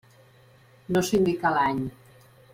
No s'indica l'any.